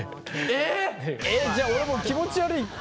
えっじゃあ俺もう気持ち悪い？